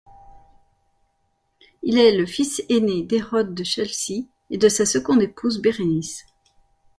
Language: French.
Il est le fils aîné d'Hérode de Chalcis et de sa seconde épouse, Bérénice.